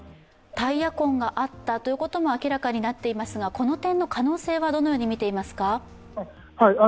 タイヤ痕があったということも明らかになっていますがこの点の可能性はどのように見ていますか。